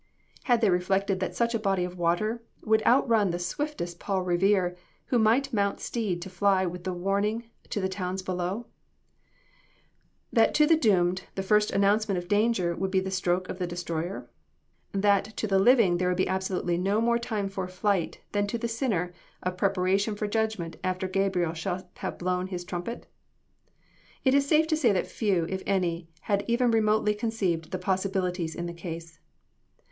Had they reflected that such a body of water would outrun the swiftest Paul Revere who might mount steed to fly with the warning to the towns below? That to the doomed, the first announcement of danger would be the stroke of the destroyer? That to the living there would be absolutely no more time for flight than to the sinner, of preparation for judgment after Gabriel shall have blown his trumpet? It is safe to say that few, if any, had even remotely conceived the possibilities in the case.